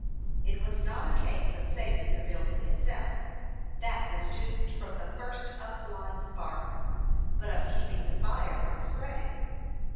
It was not a case of saving the building itself; that was doomed from the first up flying spark; but of keeping the fire from spreading.